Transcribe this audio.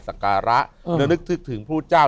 สการะและนึกถึงพระพุทธเจ้า